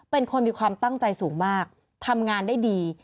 เป็นคนมีความตั้งใจสูงมากทำงานได้ดี